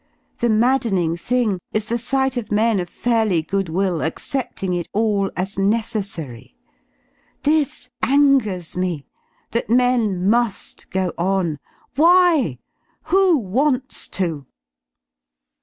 The maddening thing is the sight of men of fairly goodwill accepting it all as necessary; this angers me, that men muif go on. Why? / Who wants to?